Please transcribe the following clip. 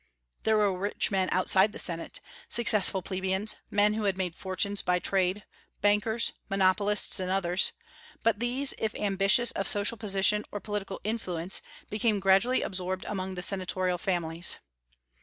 There were rich men outside the Senate, successful plebeians, men who had made fortunes by trade, bankers, monopolists, and others; but these, if ambitious of social position or political influence, became gradually absorbed among the senatorial families.